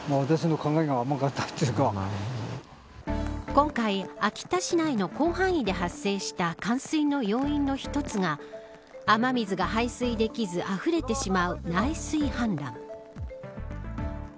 今回、秋田市内の広範囲で発生した冠水の要因の一つが雨水が排水できずあふれてしまう内水氾濫。